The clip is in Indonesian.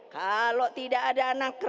kalau tidak ada anak